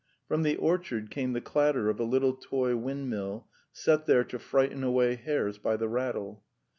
From the orchard came the clatter of a little toy windmill, set there to frighten away hares by the rattle.